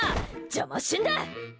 邪魔しんで！